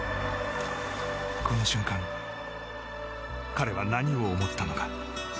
この瞬間彼は何を思ったのか。